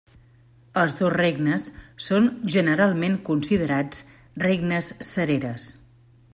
Els dos regnes són generalment considerats regnes sereres.